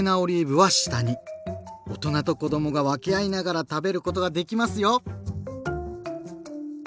大人と子どもが分け合いながら食べることができますよ！